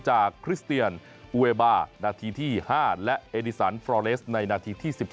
คริสเตียนอูเวบานาทีที่๕และเอดิสันฟรอเลสในนาทีที่๑๒